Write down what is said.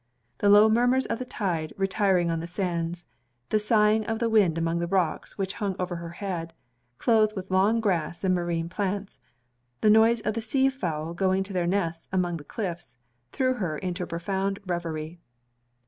The low murmurs of the tide retiring on the sands; the sighing of the wind among the rocks which hung over her head, cloathed with long grass and marine plants; the noise of the sea fowl going to their nests among the cliffs; threw her into a profound reverie.